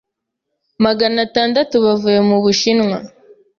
Magana atandatu bavuye mu Bushinwa